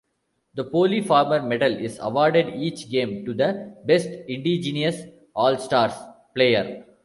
The Polly Farmer Medal is awarded each game to the best Indigenous All-Stars player.